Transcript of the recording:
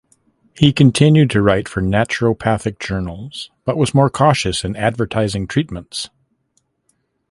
He continued to write for naturopathic journals but was more cautious in advertising treatments.